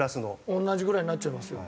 同じぐらいになっちゃいますよ。